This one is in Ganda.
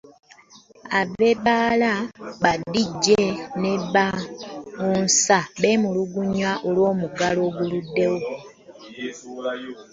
Abe bbaala, ba DJ ne ba bbaawunsa bemmulugunya olwo muggalo oguluddewo.